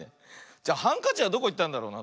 じゃハンカチはどこいったんだろうな。